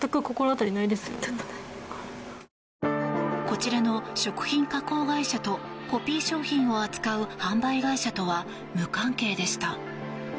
こちらの食品加工会社とコピー商品を扱う販売会社とは無関係でした。